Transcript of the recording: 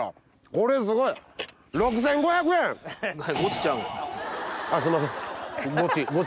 これすごい！あっすいません。